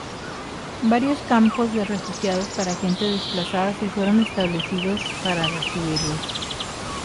Varios campos de refugiados para gente desplazada se fueron establecidos para recibirlos.